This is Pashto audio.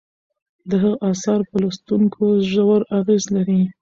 د هغه اثار په لوستونکو ژور اغیز لري.